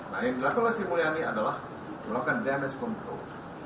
satu nasi mulyani adalah melakukan damage control